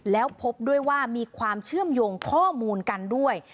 แล้วพบด้วยว่ามีความเชื่อมโยงข้อมูลกันด้วย